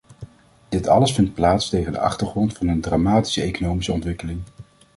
Dit alles vindt plaats tegen de achtergrond van een dramatische economische ontwikkeling.